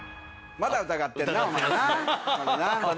まだ疑ってるな。